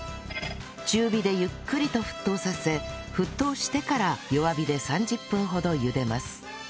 中火でゆっくりと沸騰させ沸騰してから弱火で３０分ほど茹でます